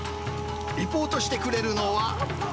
リポートしてくれるのは。